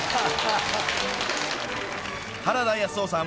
原田康夫さん